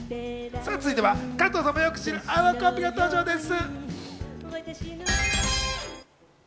続いては加藤さんもよく知る、あのコンビが登場です。